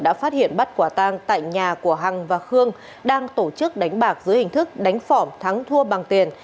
đã phát hiện bắt quả tang tại nhà của hằng và khương đang tổ chức đánh bạc dưới hình thức đánh phỏm thắng thua bằng tiền